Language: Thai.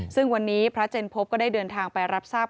ซึ่งวันนี้พระเจนพบก็ได้เดินทางไปรับทราบ